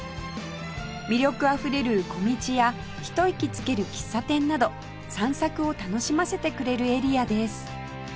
魅力あふれる小道やひと息つける喫茶店など散策を楽しませてくれるエリアです